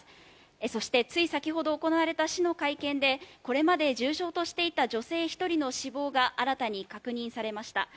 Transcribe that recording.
そして、つい先程行われた市の会見でこれまで重傷としていた女性１人の死亡が新たに確認されました。